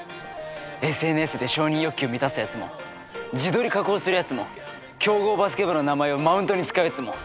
ＳＮＳで承認欲求を満たすやつも自撮り加工するやつも強豪バスケ部の名前をマウントに使うやつも。